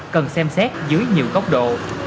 cần xem xét dưới nhiều góc độ